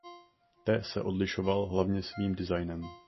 Te se odlišoval hlavně svým designem.